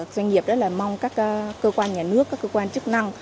doanh nghiệp mong các cơ quan nhà nước các cơ quan chức năng